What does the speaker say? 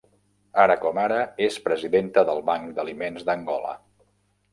Ara com ara, és presidenta del Banc d'Aliments d'Angola.